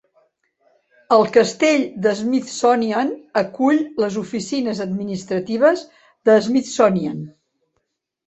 El castell de Smithsonian acull les oficines administratives de Smithsonian.